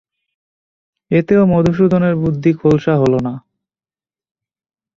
এতেও মধুসূদনের বুদ্ধি খোলসা হল না।